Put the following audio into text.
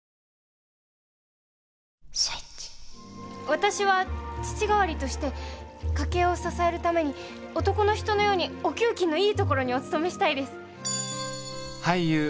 私は父代わりとして家計を支えるために男の人のようにお給金のいい所にお勤めしたいです。